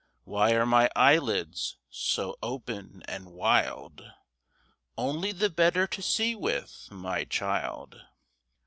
"Why are my eyelids so open and wild?" Only the better to see with, my child!